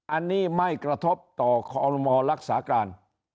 อันนี้ไม่กระทบต่อคอรมอรักษาการ